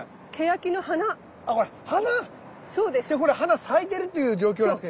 じゃあこれ花咲いてるっていう状況なんですか？